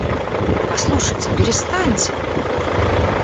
— Послушайте, перестаньте!